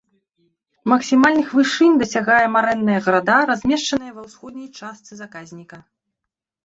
Максімальных вышынь дасягае марэнная града, размешчаная ва ўсходняй частцы заказніка.